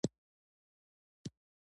مبالغه هم کوله.